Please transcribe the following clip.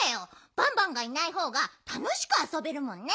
バンバンがいないほうがたのしくあそべるもんね。